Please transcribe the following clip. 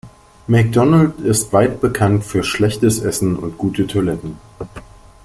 McDonald's ist weit bekannt für schlechtes Essen und gute Toiletten.